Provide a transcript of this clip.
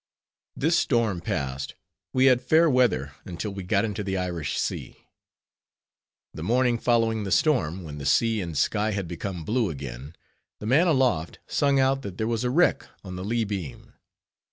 This storm past, we had fair weather until we got into the Irish Sea. The morning following the storm, when the sea and sky had become blue again, the man aloft sung out that there was a wreck on the lee beam.